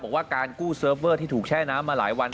บอกว่าการกู้เซิร์ฟเวอร์ที่ถูกแช่น้ำมาหลายวัน